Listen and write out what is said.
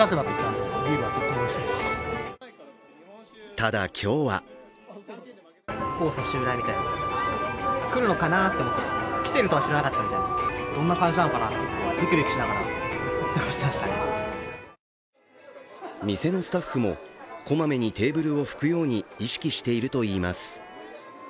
ただ今日は店のスタッフも、こまみにテーブルを拭くように意識しているといいます。